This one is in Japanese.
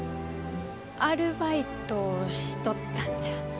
アルバイトをしとったんじゃ。